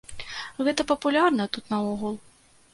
Гэта папулярна тут наогул.